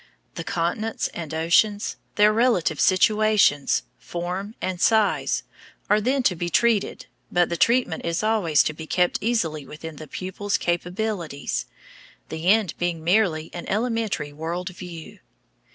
The continents and oceans, their relative situations, form, and size, are then to be treated, but the treatment is always to be kept easily within the pupil's capabilities the end being merely an elementary world view.